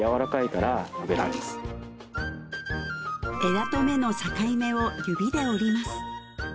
枝と芽の境目を指で折ります